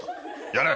やれ。